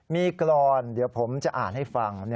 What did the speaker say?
มีกรอนเดี๋ยวผมจะอ่านให้ฟัง